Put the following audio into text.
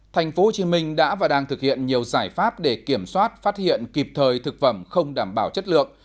thành phố hồ chí minh đã và đang thực hiện nhiều giải pháp để kiểm soát phát hiện kịp thời thực phẩm không đảm bảo chất lượng